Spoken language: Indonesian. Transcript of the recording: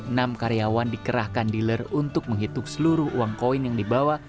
enam karyawan dikerahkan dealer untuk menghitung seluruh uang koin yang dibawa